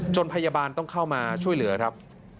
พยาบาลต้องเข้ามาช่วยเหลือครับ